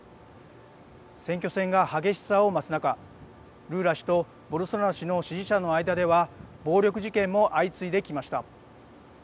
選挙戦が激しさを増す中、ルーラ氏とボルソナロ氏の支持者の間では暴力事件も相次いできました。